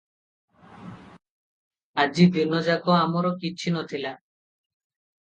ଆଜି ଦିନଯାକ ଆମର କିଛି ନ ଥିଲା ।